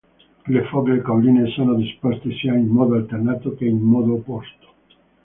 Le foglie cauline sono disposte sia in modo alternato che in modo opposto.